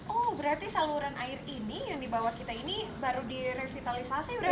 oh berarti saluran air ini yang dibawa kita ini baru direvitalisasi berarti